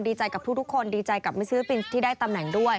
ดีใจกับทุกคนดีใจกับที่ได้ตำแหน่งด้วย